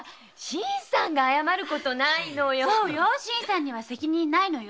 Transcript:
新さんには責任ないのよ。